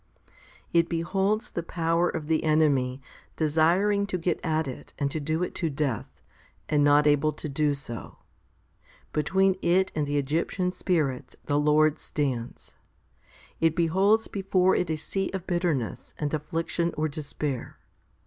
13. It beholds the power of the enemy desiring to get at it and do it to death, and not able to do so. Between it and the Egyptian spirits the Lord stands. It beholds before it a sea of bitterness and affliction or despair.